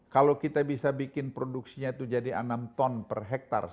kalau kita bisa bikin produksinya itu jadi enam ton per hektare